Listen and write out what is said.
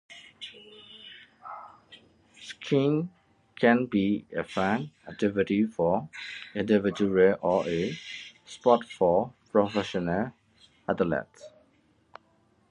Skiing can be a fun activity for individuals or a sport for professional athletes.